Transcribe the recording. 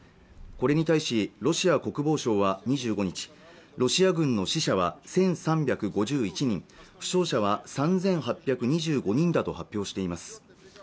これに対しロシア国防省は２５日ロシア軍の死者は１３５１人負傷者は３８２５人だと発表しています